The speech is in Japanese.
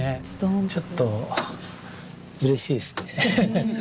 ちょっとうれしいですねエヘヘっ。